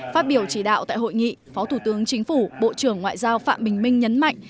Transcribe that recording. phát biểu chỉ đạo tại hội nghị phó thủ tướng chính phủ bộ trưởng ngoại giao phạm bình minh nhấn mạnh